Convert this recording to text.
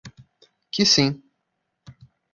Que sim.